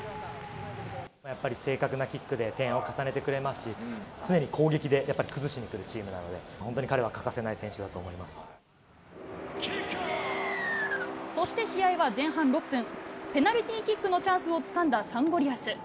やっぱり正確なキックで点を重ねてくれますし、常に攻撃で、やっぱり崩しにくるチームなので、本当に彼は欠かせない選手だと思そして試合は前半６分、ペナルティーキックのチャンスをつかんだサンゴリアス。